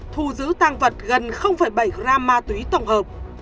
thu giữ tăng vật gần bảy gram ma túy tổng hợp